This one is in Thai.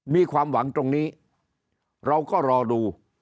มีความหวังตรงนี้เราก็รอดู